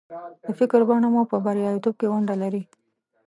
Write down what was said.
د فکر بڼه مو په برياليتوب کې ونډه لري.